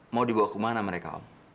mau dibawa ke mana mereka om